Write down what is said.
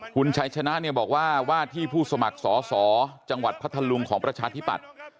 คุณชัยชนะเนี่ยบอกว่าว่าที่ผู้สมัครสอสอจังหวัดพัทธลุงของประชาธิปัตย์